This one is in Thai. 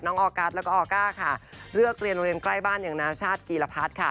ออกัสแล้วก็ออก้าค่ะเลือกเรียนโรงเรียนใกล้บ้านอย่างนาชาติกีรพัฒน์ค่ะ